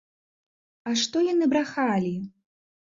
А што яны брахалі?